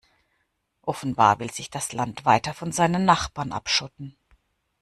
Offenbar will sich das Land weiter von seinen Nachbarn abschotten.